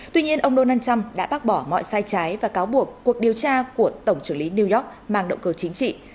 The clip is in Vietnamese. tuy nhiên ông donald trump đã bác bỏ mọi sai trái và cáo buộc cuộc điều tra của tổng trưởng lý new york mang động cơ chính trị